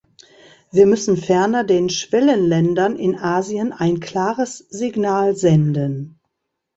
Wir müssen ferner den Schwellenländern in Asien ein klares Signal senden.